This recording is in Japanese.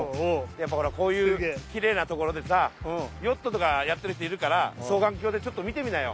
やっぱほらこういう奇麗なところでさットとかやってる人いるから双眼鏡でちょっと見てみなよ。